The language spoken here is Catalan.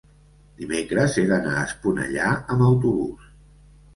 dimecres he d'anar a Esponellà amb autobús.